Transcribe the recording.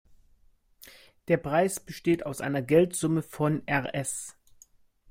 Der Preis besteht aus einer Geldsumme von Rs.